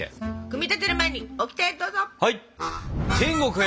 組み立てる前にオキテどうぞ！